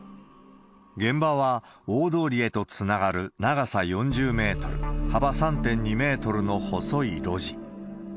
現場は、大通りへとつながる長さ４０メートル、幅３．２メートルの細い路地。